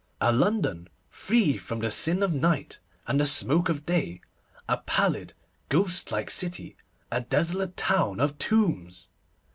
A London free from the sin of night and the smoke of day, a pallid, ghost like city, a desolate town of tombs!